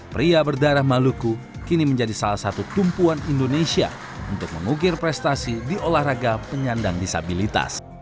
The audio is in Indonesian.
pria berdarah maluku kini menjadi salah satu tumpuan indonesia untuk mengukir prestasi di olahraga penyandang disabilitas